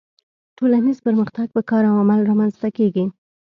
ټولنیز پرمختګ په کار او عمل رامنځته کیږي